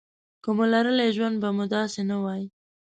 که مو لرلای ژوند به مو داسې نه وای.